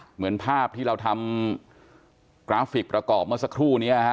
เหมือนภาพที่เราทำกราฟิกประกอบเมื่อสักครู่นี้ฮะ